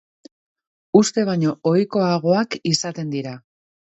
Uste baino ohikoagoak izaten dira.